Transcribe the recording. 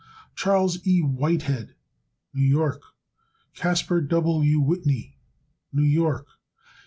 Chas. E. Whitehead, New York. Caspar W. Whitney, New York.